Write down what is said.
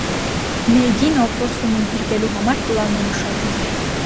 Մեգին օպոսումին փրկելու համար պլան է մշակում։